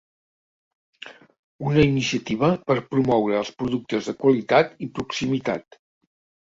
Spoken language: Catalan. Una iniciativa per promoure els productes de qualitat i proximitat.